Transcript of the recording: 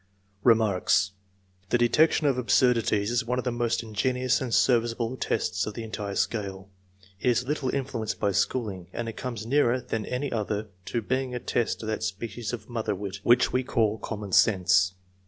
Remarks. The detection of absurdities is one of the most ingenious and serviceable tests of the entire scale. It is little influenced by schooling, and it comes nearer than any other to being a test of that species of mother wit which we call common sense.